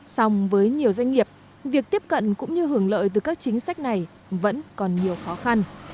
xong với nhiều doanh nghiệp việc tiếp cận cũng như hưởng lợi từ các chính sách này vẫn còn nhiều khó khăn